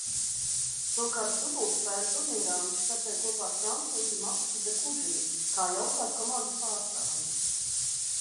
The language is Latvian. Savukārt dubultspēļu turnīrā viņš startēja kopā ar francūzi Maksu Dekužī kā Jauktās komandas pārstāvji.